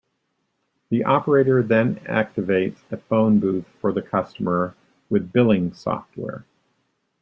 The operator then activates a phone booth for the customer with billing software.